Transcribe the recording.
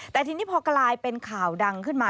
แต่ทีนี้พอกลายเป็นข่าวดังขึ้นมา